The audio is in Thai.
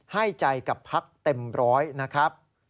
ให้ใจกับพักเต็มร้อยนะครับ